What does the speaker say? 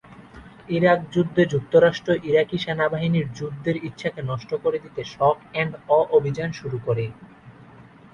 Iraq যুদ্ধে, যুক্তরাষ্ট্র Iraqi সেনাবাহিনীর যুদ্ধের ইচ্ছাকে নষ্ট করে দিতে "শক এন্ড অ" অভিযান শুরু করে।